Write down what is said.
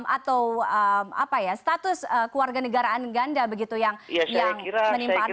atau status keluarga negaraan ganda begitu yang menimpa arief